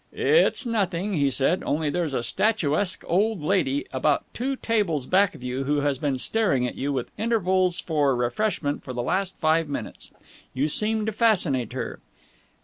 "It's nothing," he said. "Only there's a statuesque old lady about two tables back of you who has been staring at you, with intervals for refreshment, for the last five minutes. You seem to fascinate her."